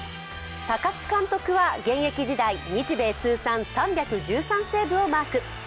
高津監督は現役時代、日米通算３１３セーブをマーク。